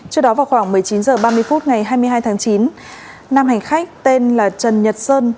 trước đó vào khoảng một mươi chín h ba mươi phút ngày hai mươi hai tháng chín nam hành khách tên là trần nhật sơn